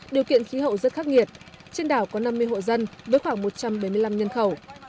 điều kiện khí hậu rất khắc nghiệt trên đảo có năm mươi hộ dân với khoảng một trăm bảy mươi năm nhân khẩu